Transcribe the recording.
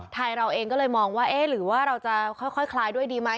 เราเองก็เลยมองว่าเอ๊ะหรือว่าเราจะค่อยคลายด้วยดีไหม